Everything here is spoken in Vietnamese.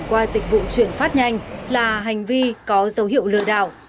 qua dịch vụ chuyển phát nhanh là hành vi có dấu hiệu lừa đảo